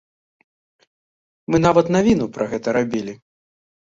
Мы нават навіну пра гэта рабілі.